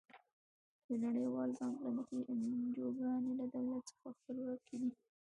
د نړیوال بانک له مخې انجوګانې له دولت څخه خپلواکې دي.